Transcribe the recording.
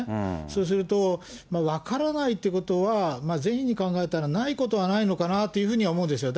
そうすると、分からないということは、善意に考えたらないことはないのかなと思うんですよ。